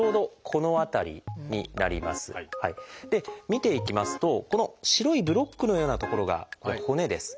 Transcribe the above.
見ていきますとこの白いブロックのようなところが骨です。